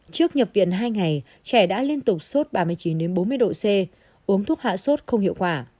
trẻ đã liên tục sốt ba mươi chín bốn mươi độ c uống thuốc hạ sốt không hiệu quả